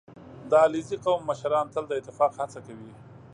• د علیزي قوم مشران تل د اتفاق هڅه کوي.